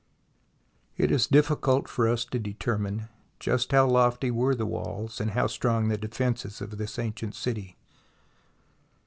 It is difficult for us to determine just how lofty were the walls and how strong the defences of this ancient city.